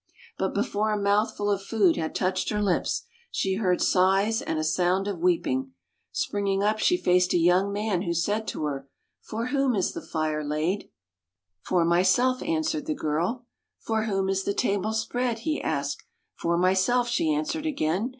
But before a mouthful of food had touched her lips, she heard sighs and a sound of weeping. Springing up, she faced a young man, who said to her, " For whom is the fire laid? "[ 75 ] FAVORITE FAIRY TALES RETOLD " For myself," answered the girl. "For whom is the table spread?" he asked. " For myself," she answered again.